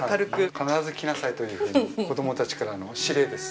必ず着なさいというふうに子供たちからの指令です。